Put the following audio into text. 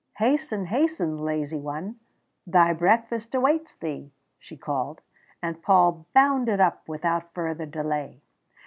"Hasten, hasten, lazy one. Thy breakfast awaits thee," she called, and Paul bounded up without further delay.